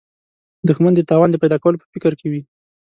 دښمن د تاوان د پیدا کولو په فکر کې وي